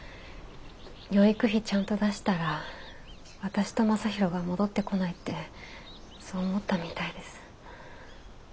養育費ちゃんと出したら私と将大が戻ってこないってそう思ったみたいです。